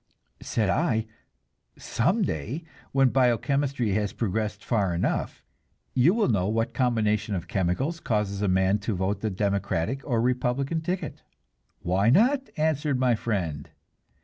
Said I: "Some day, when bio chemistry has progressed far enough, you will know what combination of chemicals causes a man to vote the Democratic or Republican ticket." "Why not?" answered my friend.